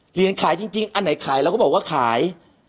เหรียญขายจริงอันไหนขายเราก็บอกว่าขาย